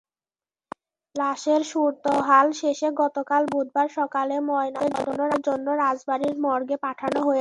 লাশের সুরতহাল শেষে গতকাল বুধবার সকালে ময়নাতদন্তের জন্য রাজবাড়ীর মর্গে পাঠানো হয়েছে।